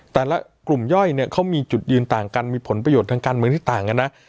แต่ละกลุ่มย่อยเนี่ยเขามีจุดยืนต่างกันมีผลประโยชน์ทางการเมืองที่ต่างกันนะ